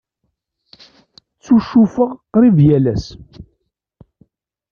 Ccucufeɣ qrib yal ass.